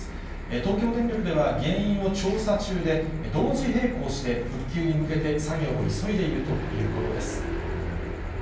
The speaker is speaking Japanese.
東京電力では原因を調査中で、同時並行して、復旧に向けて作業を急いでいるということです。